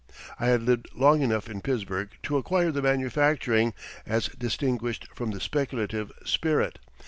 I had lived long enough in Pittsburgh to acquire the manufacturing, as distinguished from the speculative, spirit.